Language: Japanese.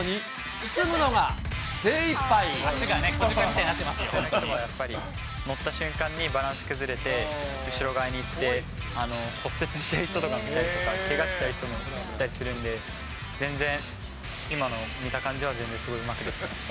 普通の人はやっぱり、乗った瞬間にバランス崩れて、後ろ側に行って、骨折しちゃう人とか、けがしちゃう人とかもいたりするんで、全然今の見た感じは全然すごいうまくできていました。